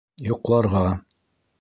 Йоҡларға.